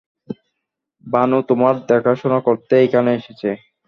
ভানু তোমার দেখাশোনা করতে এখানে এসেছে।